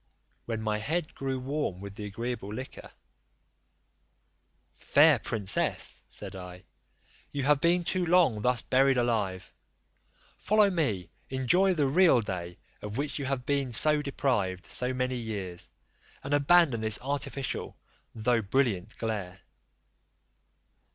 When my head grew warm with the agreeable liquor, "Fair princess," said I, "you have been too long thus buried alive; follow me, enjoy the real day, of which you have been deprived so many years, and abandon this artificial though brilliant glare."